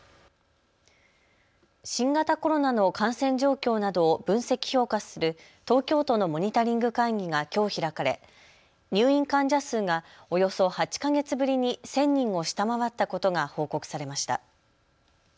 新型コロナの感染状況などを分析・評価する東京都のモニタリング会議がきょう開かれ入院患者数がおよそ８か月ぶりに１０００人を下回ったことが報告されました。